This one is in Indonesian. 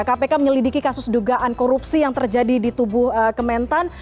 kpk menyelidiki kasus dugaan korupsi yang terjadi di tubuh kementan